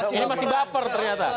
ini masih baper ternyata